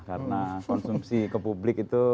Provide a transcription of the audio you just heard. karena konsumsi ke publik itu